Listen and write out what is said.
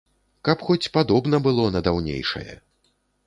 Каб хоць падобна было на даўнейшае.